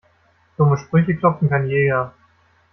Dumme Sprüche klopfen kann jeder.